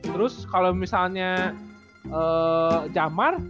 terus kalo misalnya jamar